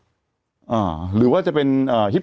แต่หนูจะเอากับน้องเขามาแต่ว่า